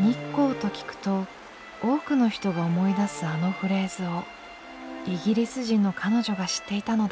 日光と聞くと多くの人が思い出すあのフレーズをイギリス人の彼女が知っていたのだ。